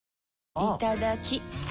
いただきっ！